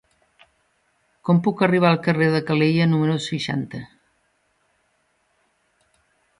Com puc arribar al carrer de Calella número seixanta?